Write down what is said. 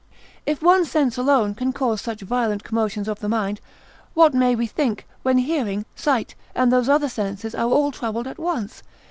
If one sense alone can cause such violent commotions of the mind, what may we think when hearing, sight, and those other senses are all troubled at once?